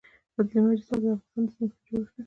لمریز ځواک د افغانستان د ځمکې د جوړښت نښه ده.